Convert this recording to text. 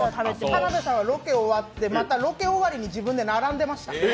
田辺さんはロケ終わって、またロケ終わりに自分で並んでました。